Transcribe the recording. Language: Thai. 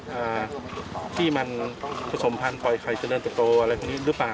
ว่าที่มันผสมพันธุ์ปล่อยไข่จนเดินแต่โตอะไรแบบนี้หรือเปล่า